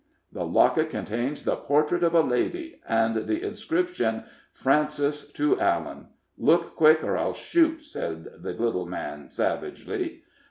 "The locket contains the portrait of a lady, and the inscription 'Frances to Allan' look quick, or I'll shoot!" said the little man, savagely.